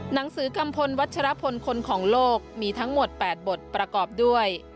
หนังสือกัมพลวัชรพลคนของโลกมีทั้งหมด๘บทประกอบด้วย